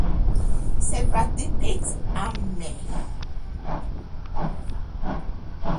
Several depict armed men.